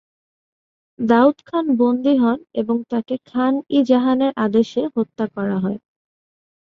দাউদ খান বন্দি হন এবং তাকে খান-ই-জাহানের আদেশে হত্যা করা হয়।